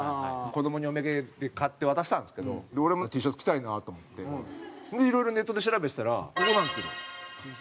子どもにお土産で買って渡したんですけど俺もＴシャツ着たいなと思っていろいろネットで調べてたらここなんですけど。